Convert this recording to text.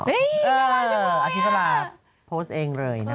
อาทิตยาลาโพสต์เองเลยนะคะ